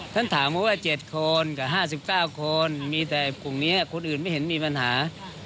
ท่านถามเขาว่า๗คนกับ๕๙คนมีแต่กลุ่มนี้คนอื่นไม่เห็นมีปัญหา